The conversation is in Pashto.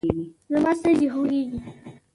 زما سترګې خوږیږي